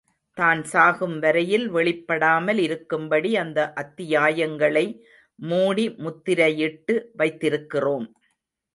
தான் சாகும் வரையில் வெளிப்படாமல் இருக்கும்படி அந்த அத்தியாயங்களை மூடி முத்திரையிட்டு வைத்திருக்கிறோம்.